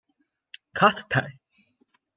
卡斯泰。